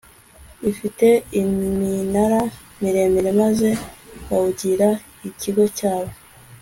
ifite iminara miremire, maze bawugira ikigo cyabo